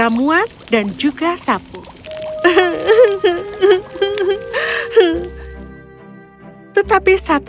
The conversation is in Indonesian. dan menghabiskan sisa hidupku dengan kemampuanmu